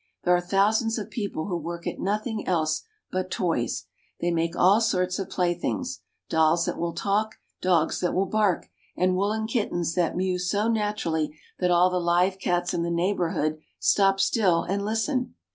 There are thousands of people who work at nothing else but toys. They make all sorts of playthings : dolls that will talk, dogs that will bark, and woolen kittens that mew so naturally that all the live cats in the neighborhood stop still and listen.